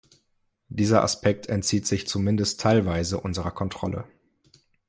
Dieser Aspekt entzieht sich zumindest teilweise unserer Kontrolle.